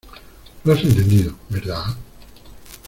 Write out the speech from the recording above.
lo has entendido, ¿ verdad?